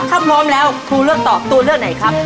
ถ้าพร้อมแล้วครูเลือกตอบตัวเลือกไหนครับ